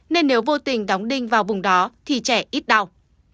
nên nếu vô tình đóng đinh vào vùng đó thì trẻ ít đau